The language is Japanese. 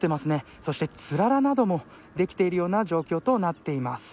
そして、つららなどもできているような状況となっています。